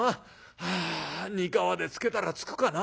はあにかわでつけたらつくかな。